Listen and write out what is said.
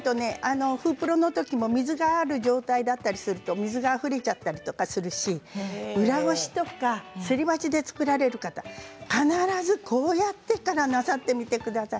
水がある状態だったりすると水があふれちゃったりするし裏ごしとかすり鉢で作る方必ずこうやって一度、潰してからなさってください。